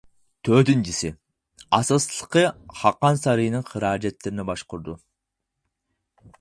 تۆتىنچىسى، ئاساسلىقى خاقان سارىيىنىڭ خىراجەتلىرىنى باشقۇرىدۇ.